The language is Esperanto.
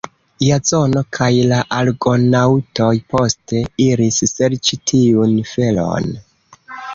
Jazono kaj la Argonaŭtoj poste iris serĉi tiun felon.